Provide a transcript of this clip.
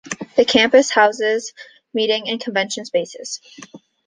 The campus houses meeting and convention spaces.